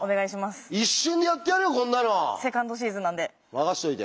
任しといて。